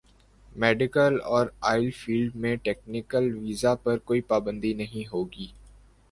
medical اور oil field میں technical visa پر کوئی پابندی نہیں ہوگی